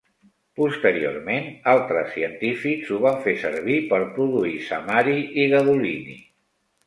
Posteriorment altres científics ho van fer servir per produir samari i gadolini.